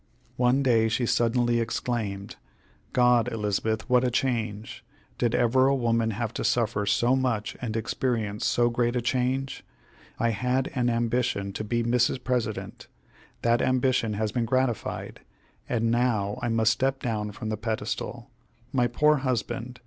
One day she suddenly exclaimed: "God, Elizabeth, what a change! Did ever woman have to suffer so much and experience so great a change? I had an ambition to be Mrs. President; that ambition has been gratified, and now I must step down from the pedestal. My poor husband!